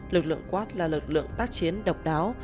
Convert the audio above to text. lực lượng quát là lực lượng tác chiến độc đáo